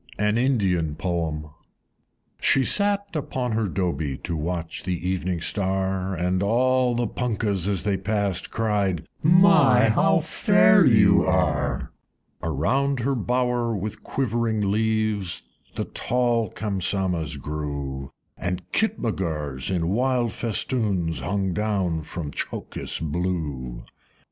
An Indian Poem. I. She sate upon her Dobie, To watch the Evening Star, And all the Punkahs, as they passed, Cried, "My! how fair you are!" Around her bower, with quivering leaves, The tall Kamsamahs grew, And Kitmutgars in wild festoons Hung down from Tchokis blue. II.